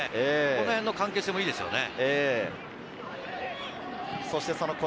この辺の関係性もいいですよね。